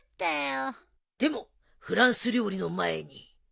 でもフランス料理の前に。